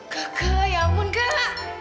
gak gak ya ampun gak